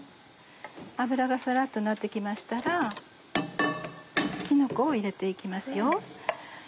油がサラっとなって来ましたらきのこを入れて行きますよ。